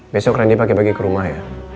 besok rendy pagi pagi ke rumah ya